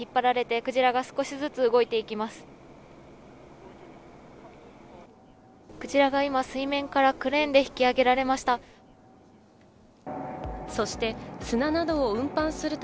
クジラが今、水面からクレーンで引き揚げられました。